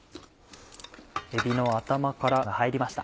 えびの頭から入りました。